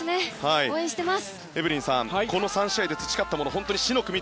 応援してます！